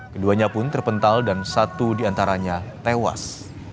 keduanya pun terpental dan satu diantaranya tewas